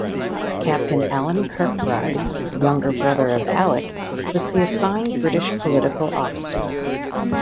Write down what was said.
Captain Alan Kirkbride (younger brother of Alec) was the assigned British political officer.